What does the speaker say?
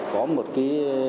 có một cái